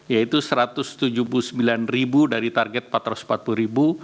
yaitu satu ratus tujuh puluh sembilan ribu dari target empat ratus empat puluh ribu